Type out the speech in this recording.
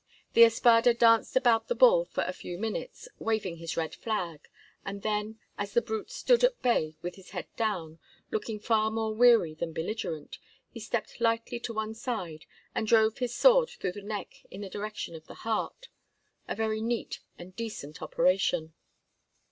The espada danced about the bull for a few minutes, waving his red rag, and then, as the brute stood at bay with his head down, looking far more weary than belligerent, he stepped lightly to one side and drove his sword through the neck in the direction of the heart, a very neat and decent operation.